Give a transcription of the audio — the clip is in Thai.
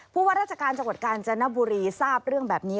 ว่าราชการจังหวัดกาญจนบุรีทราบเรื่องแบบนี้